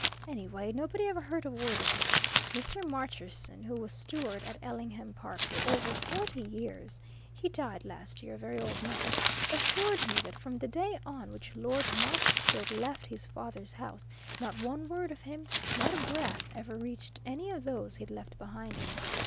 Anyway, nobody ever heard a word of him Mr. Marcherson, who was steward at Ellingham Park for over forty years (he died last year, a very old man) assured me that from the day on which Lord Marketstoke left his father's house not one word of him, not a breath, ever reached any of those he'd left behind him.